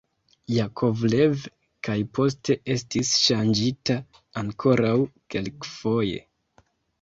Jakovlev kaj poste estis ŝanĝita ankoraŭ kelkfoje.